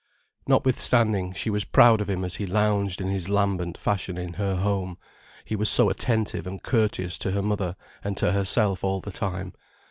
Notwithstanding, she was proud of him as he lounged in his lambent fashion in her home, he was so attentive and courteous to her mother and to herself all the time.